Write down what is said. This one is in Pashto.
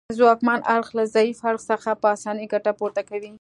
ځواکمن اړخ له ضعیف اړخ څخه په اسانۍ ګټه پورته کوي